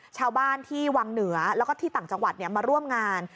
ชาวบ้านที่วังเหนือแล้วก็ที่ต่างจังหวัดมาร่วมงาน